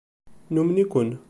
Numen-iken.